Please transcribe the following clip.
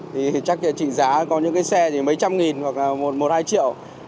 thì chắc chỉ giá có những cái xe thì mấy trăm nghìn hoặc là một một hai triệu